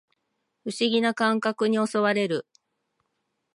不思議な感覚に襲われる